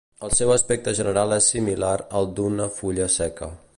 El seu aspecte general és similar al d'una fulla seca.